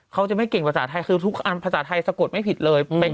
เขาจะไม่เก่งภาษาไทยคือทุกภาษาไทยสะกดไม่ผิดเลย